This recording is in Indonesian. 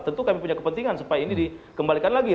tentu kami punya kepentingan supaya ini dikembalikan lagi